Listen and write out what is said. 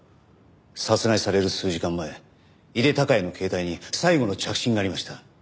殺害される数時間前井手孝也の携帯に最後の着信がありました。